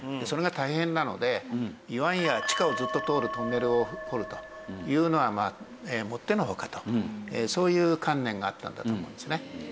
それが大変なのでいわんや地下をずっと通るトンネルを掘るというのはまあもっての外とそういう観念があったんだと思いますね。